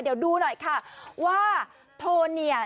เดี๋ยวดูหน่อยค่ะว่าโทนเนี่ย